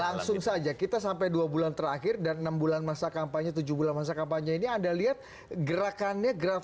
langsung saja kita sampai dua bulan terakhir dan enam bulan masa kampanye tujuh bulan masa kampanye ini anda lihat gerakannya grafi